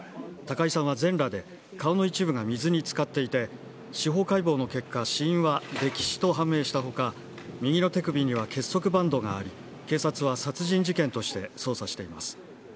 高井さんは全裸で、顔の一部が水につかっていて、司法解剖の結果、死因は溺死と判明したほか、右の手首には結束バンドがあり、警察は殺人事件として、捜査しています。